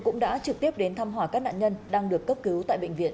cũng đã trực tiếp đến thăm hỏi các nạn nhân đang được cấp cứu tại bệnh viện